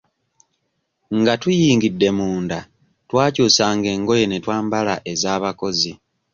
Nga tuyingidde munda twakyusanga engoye ne twambala ez'abakozi.